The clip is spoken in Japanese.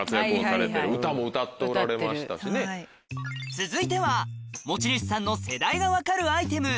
続いては持ち主さんの世代が分かるアイテム